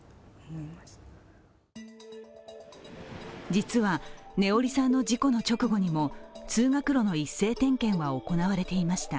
実は音織さんの事故の直後にも通学路の一斉点検は行われていました。